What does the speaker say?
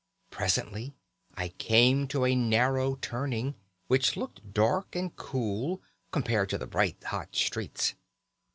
Presently I came to a narrow turning, which looked dark and cool compared to the bright hot streets.